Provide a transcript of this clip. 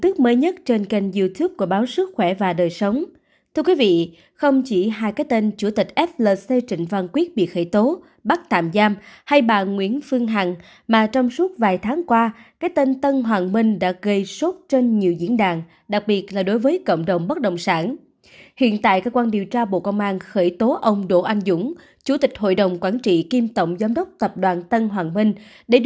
các bạn hãy đăng ký kênh để ủng hộ kênh của chúng mình nhé